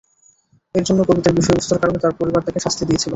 এর জন্য কবিতার বিষয়বস্তুর কারণে তার পরিবার তাকে শাস্তি দিয়েছিল।